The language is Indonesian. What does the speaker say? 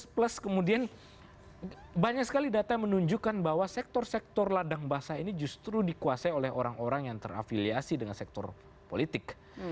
plus kemudian banyak sekali data menunjukkan bahwa sektor sektor ladang basah ini justru dikuasai oleh orang orang yang terafiliasi dengan sektor politik